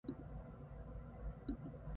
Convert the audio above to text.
The Pootie song What Will They Think?